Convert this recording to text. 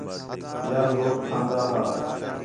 ٻِیال ہوک کھان٘دا ہا